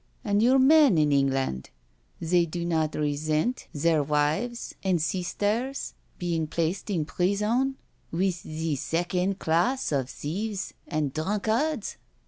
" And your men in England, they do not resent their 236 NO SURRENDER wives and sisters being placed in prison with the second class of thieves and drunkards?